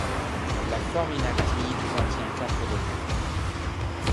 La forme inactive contient quatre domaines.